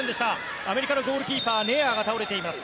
アメリカのゴールキーパーネアーが倒れています。